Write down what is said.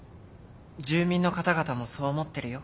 住民の方々もそう思ってるよ。